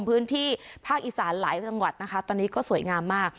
พื้นที่ภาคอีสานหลายจังหวัดนะคะตอนนี้ก็สวยงามมาก